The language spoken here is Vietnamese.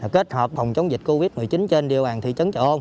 kết hợp phòng chống dịch covid một mươi chín trên địa bàn thị trấn trợ ôn